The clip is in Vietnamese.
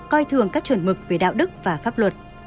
coi thường các chuẩn mực về đạo đức và pháp luật